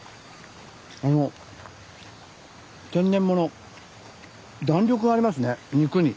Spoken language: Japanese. あの天然もの弾力がありますね肉に。